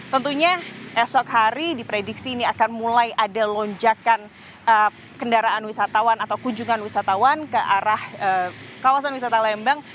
tentunya esok hari diprediksi ini akan mulai ada lonjakan kendaraan wisatawan atau kunjungan wisatawan ke arah kawasan wisata lembang